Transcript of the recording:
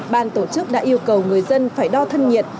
ban tổ chức đã yêu cầu người dân phải đo thân nhiệt